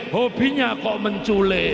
hobinya kok menculik